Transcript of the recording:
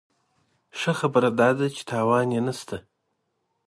ښه خبره داده چې تاوان یې نه شته.